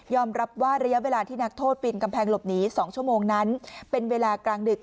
รับว่าระยะเวลาที่นักโทษปีนกำแพงหลบหนี๒ชั่วโมงนั้นเป็นเวลากลางดึก